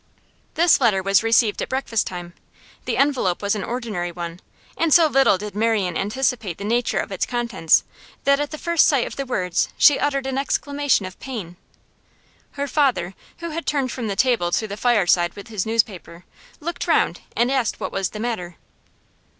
This letter was received at breakfast time. The envelope was an ordinary one, and so little did Marian anticipate the nature of its contents that at the first sight of the words she uttered an exclamation of pain. Her father, who had turned from the table to the fireside with his newspaper, looked round and asked what was the matter.